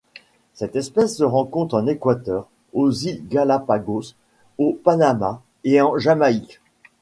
Cette espèce se rencontre en Équateur aux îles Galápagos, au Panama et en Jamaïque.